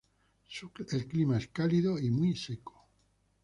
El clima es cálido y muy seco.